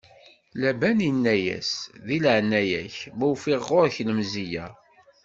Laban inna-as: Di leɛnaya-k, ma ufiɣ ɣur-k lemzeyya.